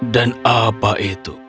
dan apa itu